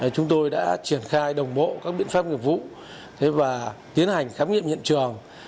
chúng tôi đã triển khai đồng bộ các biện pháp nghiệp vụ và tiến hành khám nghiệm hiện trường